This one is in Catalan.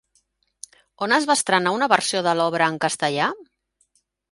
On es va estrenar una versió de l'obra en castellà?